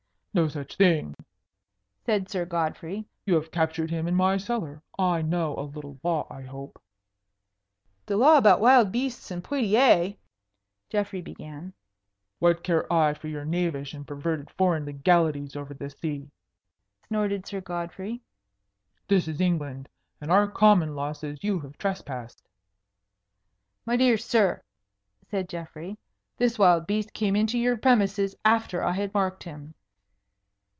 "No such thing," said Sir Godfrey. "You have captured him in my cellar. I know a little law, I hope." "The law about wild beasts in Poictiers " Geoffrey began. "What care I for your knavish and perverted foreign legalities over the sea?" snorted Sir Godfrey. "This is England. And our Common Law says you have trespassed." "My dear sir," said Geoffrey, "this wild beast came into your premises after I had marked him."